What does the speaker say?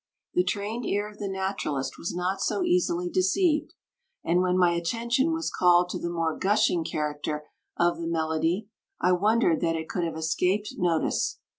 The trained ear of the naturalist was not so easily deceived, and when my attention was called to the more gushing character of the melody I wondered that it could have escaped notice.